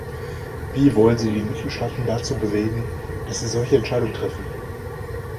Wie wollen Sie die Mitgliedstaaten dazu bewegen, dass sie solche Entscheidungen treffen?